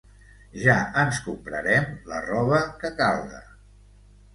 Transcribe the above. Ja ens comprarem la roba que calga!